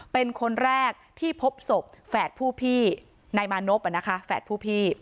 เป็นคนแรกที่พบศพแฝดผู้พี่นายมานพแฝดผู้พี่